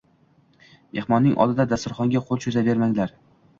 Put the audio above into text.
Mehmonning oldida dasturxonga qo`l cho`zavermanglar